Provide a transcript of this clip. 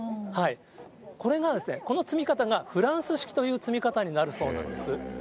これが、この積み方がフランス式という積み方になるそうなんです。